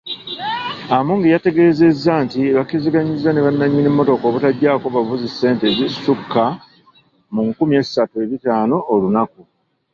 Amongi yategezezza nti bakkiriziganyizza ne bannanyini mmotoka obutajjako bavuzi ssente ezisukka mu nkumi esatu ebitaano olunaku.